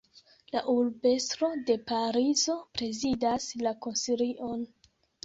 La urbestro de Parizo prezidas la konsilion.